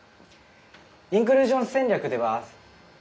インクルージョン戦略では。